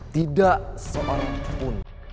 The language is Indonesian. tidak seorang pun